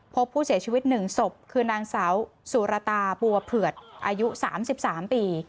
พบผู้เสียชีวิตหนึ่งศพคือนางสาวสูรตาบัวเพลือดอายุสามสิบสามปี